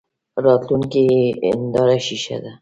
راتلونکې بې هیندارې شیشه ده.